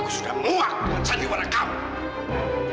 aku sudah muak dengan cari warah kamu